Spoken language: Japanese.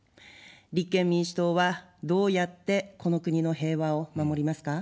立憲民主党はどうやってこの国の平和を守りますか。